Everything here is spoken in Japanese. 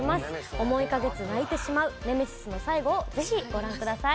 思いがけず泣いてしまう『ネメシス』の最後をぜひご覧ください。